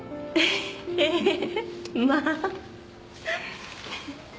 ええまあ。